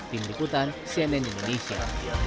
tim liputan cnn indonesia